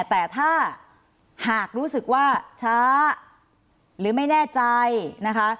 แต่ถ้าหากรู้สึกว่าช้าหรือไม่แน่ใจนะคะ